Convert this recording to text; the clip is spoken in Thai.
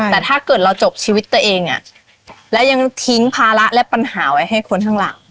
แต่ถ้าเกิดเราจบชีวิตตัวเองและยังทิ้งภาระและปัญหาไว้ให้คนข้างหลัง